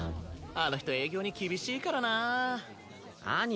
あの人営業に厳しいからなあ。